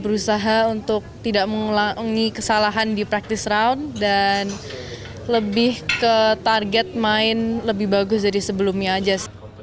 berusaha untuk tidak mengulangi kesalahan di practice round dan lebih ke target main lebih bagus dari sebelumnya aja